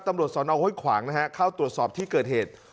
ตำรวจสนห้วยขวางนะฮะเข้าตรวจสอบที่เกิดเหตุ